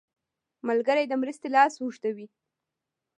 ملګری د مرستې لاس اوږدوي